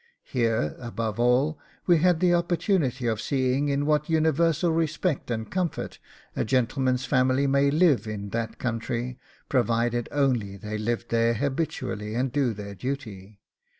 Here, above all, we had the opportunity of seeing in what universal respect and comfort a gentleman's family may live in that country, provided only they live there habitually and do their duty.